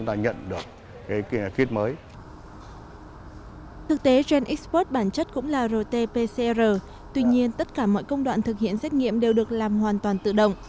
thực tế genexpert bản chất cũng là rt pcr tuy nhiên tất cả mọi công đoạn thực hiện xét nghiệm đều được làm hoàn toàn tự động